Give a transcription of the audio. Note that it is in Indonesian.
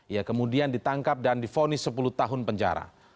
ia kemudian ditangkap dan difonis sepuluh tahun penjara